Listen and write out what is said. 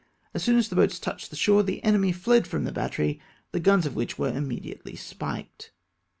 As soon as the boats touched the shore, the enemy fled from the battery, the guns of which were immediately spiked.